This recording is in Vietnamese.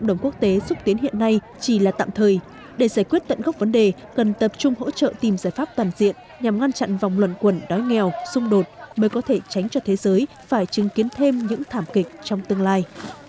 để giải quyết tận gốc vấn đề cần tập trung hỗ trợ tìm giải pháp toàn diện nhằm ngăn chặn vòng luận quẩn đói nghèo xung đột mới có thể tránh cho thế giới phải chứng kiến thêm những thảm kịch trong tương lai